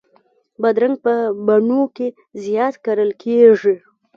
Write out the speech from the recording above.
بادرنګ په بڼو کې زیات کرل کېږي.